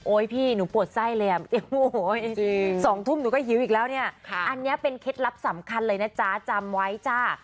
พี่หนูปวดไส้เลยอ่ะโอ้โห๒ทุ่มหนูก็หิวอีกแล้วเนี่ยอันนี้เป็นเคล็ดลับสำคัญเลยนะจ๊ะจำไว้จ้า